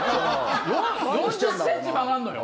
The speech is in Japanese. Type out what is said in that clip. ４０ｃｍ曲がんのよ？